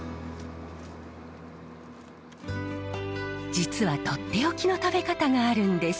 実はとっておきの食べ方があるんです。